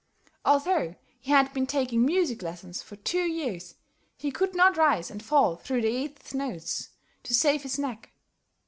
Although he had been taking music lessons for two years, he could not rise and fall through the eight notes, to save his neck.